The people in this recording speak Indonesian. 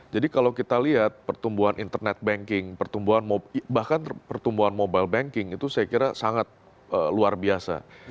jadi kalau kita lihat pertumbuhan internet banking bahkan pertumbuhan mobile banking itu saya kira sangat luar biasa